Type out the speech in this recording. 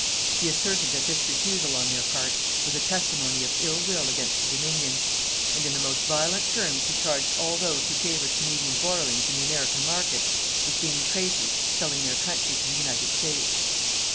He asserted that this refusal on their part was a testimony of ill will against the Dominion. And in the most violent terms he charged all those who favoured Canadian borrowings in the American market with being traitors selling their country to the United States.